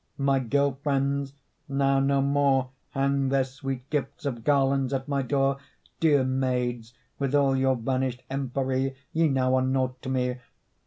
My girl friends now no more Hang their sweet gifts of garlands at my door; Dear maids, with all your vanished empery Ye now are naught to me.